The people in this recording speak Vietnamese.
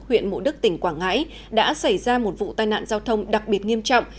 huyện mộ đức tỉnh quảng ngãi đã xảy ra một vụ tai nạn giao thông đặc biệt nghiêm trọng